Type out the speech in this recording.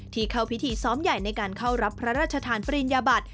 เข้าพิธีซ้อมใหญ่ในการเข้ารับพระราชทานปริญญาบัติ